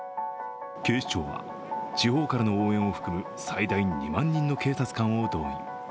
警視庁は、地方からの応援を含む最大２万人の警察官を動員。